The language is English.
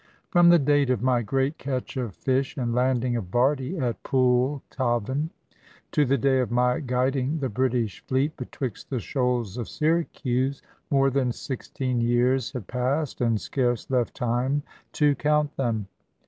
From the date of my great catch of fish and landing of Bardie at Pool Tavan, to the day of my guiding the British fleet betwixt the shoals of Syracuse, more than sixteen years had passed, and scarce left time to count them.